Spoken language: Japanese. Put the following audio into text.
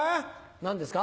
何ですか？